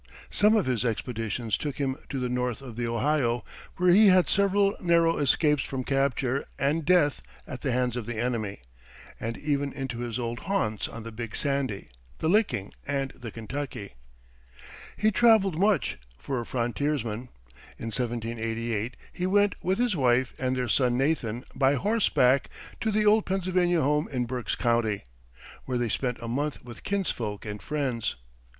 Some of his expeditions took him to the north of the Ohio, where he had several narrow escapes from capture and death at the hands of the enemy, and even into his old haunts on the Big Sandy, the Licking, and the Kentucky. He traveled much, for a frontiersman. In 1788 he went with his wife and their son Nathan by horseback to the old Pennsylvania home in Berks County, where they spent a month with kinsfolk and friends.